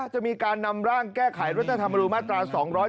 จะมีการนำร่างแก้ไขรัฐธรรมนูญมาตรา๒๗